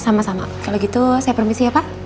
sama sama kalau gitu saya permisi ya pak